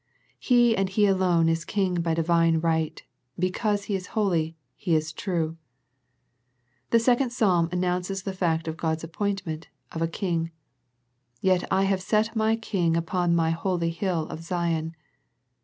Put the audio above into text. He and He alone is King by Divine right, because He is holy, He is true. The second Psalm announces the fact of God's appointment of a King. " Yet have I set my King Upon My holy hill of Zion.